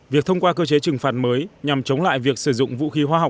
việc thông qua cơ chế trừng phạt mới nhằm chống lại việc sử dụng vũ khí hóa học